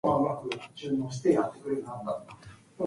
Hooker lays little stress upon the fathers.